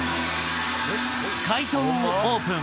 解答をオープン。